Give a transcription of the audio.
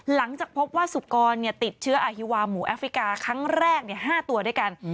หลังจากพบว่าสุกรติดเชื้ออาฮิวาหมูแอฟริกาครั้งแรก๕ตัวด้วยกัน